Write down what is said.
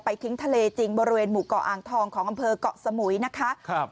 ทิ้งทะเลจริงบริเวณหมู่เกาะอ่างทองของอำเภอกเกาะสมุยนะคะครับ